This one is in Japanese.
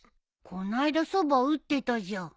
こないだそば打ってたじゃん。